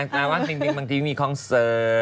นางว่าปิงปิงบางทีมีคอนเซิร์ต